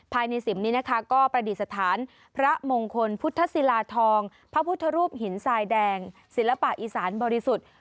สิมนี้นะคะก็ประดิษฐานพระมงคลพุทธศิลาทองพระพุทธรูปหินทรายแดงศิลปะอีสานบริสุทธิ์